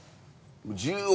１０億